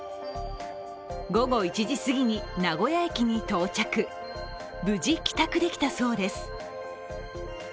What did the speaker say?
午後１時すぎに名古屋駅に到着、無事帰宅できたそうです。